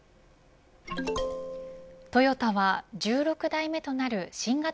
トヨタは、１６代目となる新型